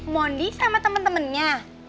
mondi sama temen temennya